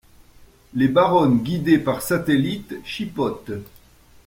Les baronnes guidée par satellite chipotent.